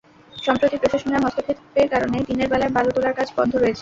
সম্প্রতি প্রশাসনের হস্তক্ষেপের কারণে দিনের বেলায় বালু তোলার কাজ বন্ধ রয়েছে।